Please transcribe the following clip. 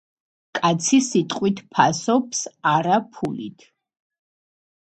კაცი სიტყვით ფასობს, არა ფულით.